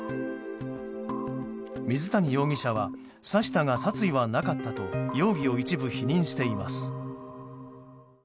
水谷容疑者は刺したが殺意はなかったと容疑を一部否認しています。